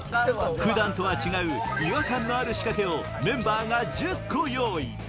普段とは違う違和感のある仕掛けをメンバーが１０個用意